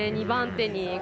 ２番手に。